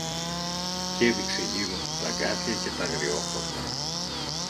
Κι έδειξε γύρω του τ' αγκάθια και τ' αγριόχορτα